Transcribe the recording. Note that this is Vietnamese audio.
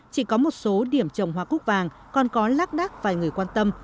chỉ có một số điểm trồng hoa cúc vàng còn có lác đác vài người quan tâm